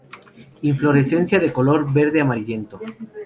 Inflorescencia de color verde-amarillento.